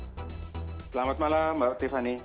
selamat malam mbak tiffany